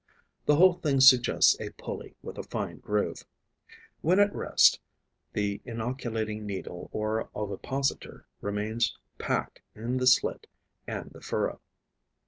The whole thing suggests a pulley with a fine groove. When at rest, the inoculating needle or ovipositor remains packed in the slit and the furrow.